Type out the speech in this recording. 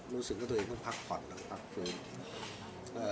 รู้สึกว่าตัวเองต้องพักผ่อนหลังพักฟื้น